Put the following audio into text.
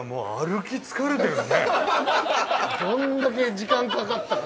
どんだけ時間かかったか